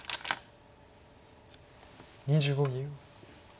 ２５秒。